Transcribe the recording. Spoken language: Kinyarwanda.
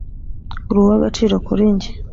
uri uwa gaciro kuri njye